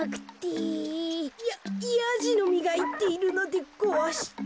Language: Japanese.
ヤヤジの実がいっているのでごわして。